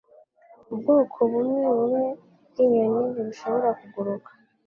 Ubwoko bumwebumwe bwinyoni ntibushobora kuguruka.